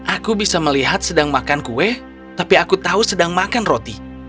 aku bisa melihat sedang makan kue tapi aku tahu sedang makan roti